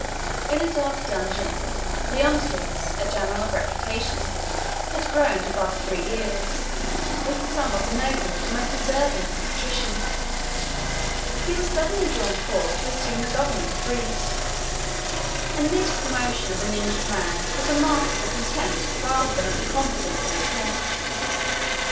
In a dark dungeon, Leontius, a general of reputation, had groaned above three years, with some of the noblest and most deserving of the patricians: he was suddenly drawn forth to assume the government of Greece; and this promotion of an injured man was a mark of the contempt rather than of the confidence of his prince.